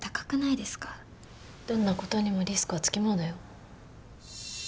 どんな事にもリスクはつきものだよ。